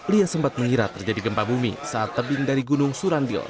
lia sempat mengira terjadi gempa bumi saat tebing dari gunung surandil